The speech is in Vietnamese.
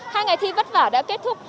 hai ngày thi vất vả đã kết thúc